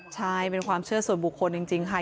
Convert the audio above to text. ใช่เป็นความเชื่อส่วนบุคคลจริงค่ะ